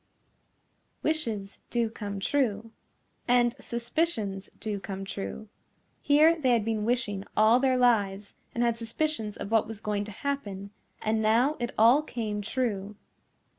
Wishes do come true. And suspicions do come true. Here they had been wishing all their lives, and had suspicions of what was going to happen, and now it all came true.